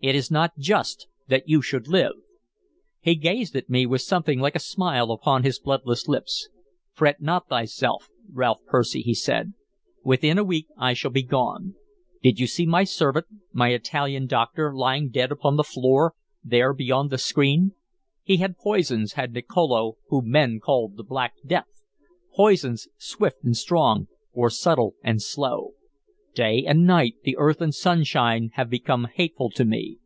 "It is not just that you should live." He gazed at me with something like a smile upon his bloodless lips. "Fret not thyself, Ralph Percy," he said. "Within a week I shall be gone. Did you see my servant, my Italian doctor, lying dead upon the floor, there beyond the screen? He had poisons, had Nicolo whom men called the Black Death, poisons swift and strong, or subtle and slow. Day and night, the earth and sunshine have become hateful to me.